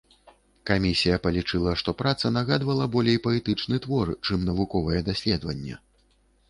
Камісія палічыла, што праца нагадвала болей паэтычны твор чым навуковае даследаванне.